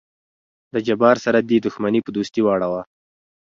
د جبار سره دې دښمني په دوستي واړو.